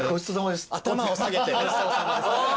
頭を下げてごちそうさまです。